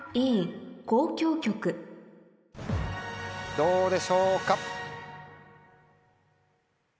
どうでしょうか？